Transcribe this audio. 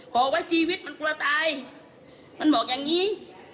ขอไว้ชีวิตมันกลัวตายมันบอกอย่างนี้